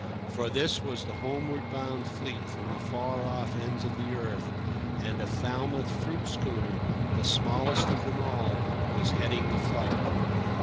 For this was the homeward bound fleet from the far off ends of the earth, and a Falmouth fruit schooner, the smallest of them all, was heading the flight.